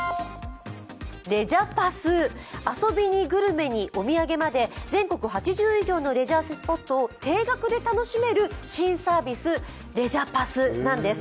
レジャパス、遊びにグルメにお土産まで全国８０以上のレジャースポットを定額で楽しめる新サービス、レジャパスなんです。